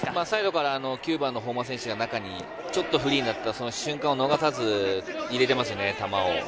サイドから９番の本間選手が中にちょっとフリーになった瞬間を逃さず入れてますね、球を。